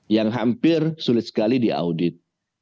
yang hampir sulit sekali diaudit